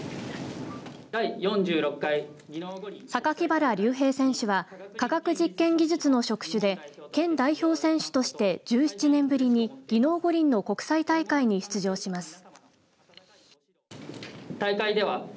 榊原隆平選手が化学実験技術の職種で県代表選手として１７年ぶりに技能五輪の国際大会に出場します。